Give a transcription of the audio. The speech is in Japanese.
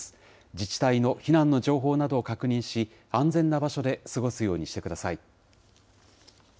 自治体の避難の情報などを確認し、安全な場所で過ごすようにしてください。